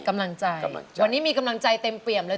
กำลังใจวันนี้มีกำลังใจเต็มเปี่ยมเลย